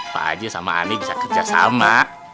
pak haji sama aneh bisa kerja sama